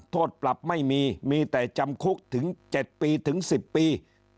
โทษปรับไม่มีมีแต่จำคุกถึง๗ปีถึง๑๐ปี